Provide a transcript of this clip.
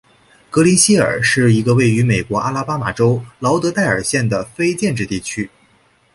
格林希尔是一个位于美国阿拉巴马州劳德代尔县的非建制地区。